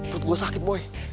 perut gue sakit boy